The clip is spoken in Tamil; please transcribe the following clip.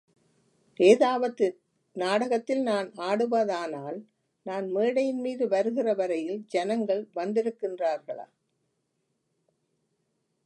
ஏதாவது நாடகத்தில் நான் ஆடுவதானால், நான் மேடையின்மீது வருகிற வரையில், ஜனங்கள் வந்திருக்கின்றார்களா?